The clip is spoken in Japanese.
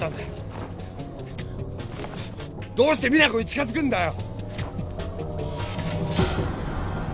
どうして実那子に近づくんだよ！？